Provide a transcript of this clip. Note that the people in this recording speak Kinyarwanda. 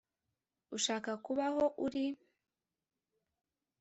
ushaka kuba aho uri